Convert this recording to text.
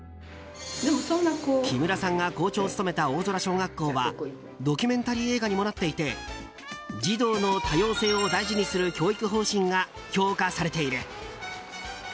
木村さんが校長を務めた大空小学校はドキュメンタリー映画にもなっていて児童の多様性を大事にする教育方針が評価されている。